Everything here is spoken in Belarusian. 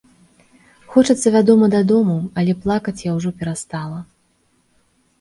Хочацца, вядома, дадому, але плакаць я ўжо перастала.